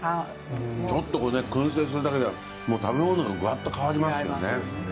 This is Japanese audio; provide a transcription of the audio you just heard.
ちょっと燻製するだけで食べ物がぐわっと変わりますよね。